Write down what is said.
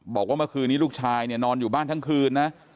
บอกว่าเมื่อคืนนี้ลูกชายเนี่ยนอนอยู่บ้านทั้งคืนนะ